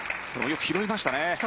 よく拾いましたね。